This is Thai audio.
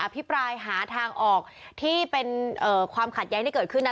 พิปรายหาทางออกที่เป็นความขัดแย้งที่เกิดขึ้นนะ